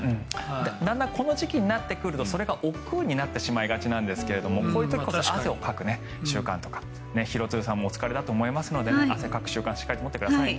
だんだんこの時期になってくるとそれがおっくうになってしまいがちですがこういう時こそ汗をかく習慣とか廣津留さんもお疲れだと思いますので汗をかく習慣をしっかりと持ってくださいね。